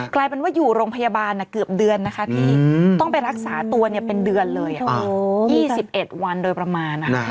กลายเป็นว่าอยู่โรงพยาบาลเกือบเดือนนะคะพี่ต้องไปรักษาตัวเป็นเดือนเลย๒๑วันโดยประมาณ